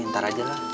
ntar aja lah